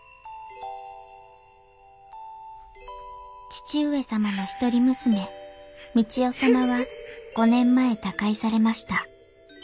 義父上様の一人娘三千代様は５年前他界されました。